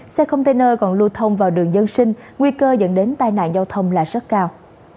xe container còn lưu thông vào đường dân sinh nguy cơ dẫn đến tai nạn giao thông là rất cao